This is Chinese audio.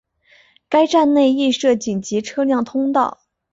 该站内亦设紧急车辆通道。